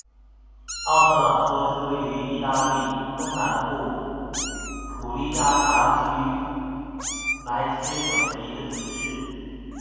奥特朗托是位于义大利东南部普利亚大区莱切省的一个城市。